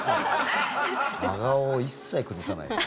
真顔を一切崩さない。